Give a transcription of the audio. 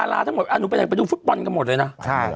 อย่างเงี้ยแต่ว่า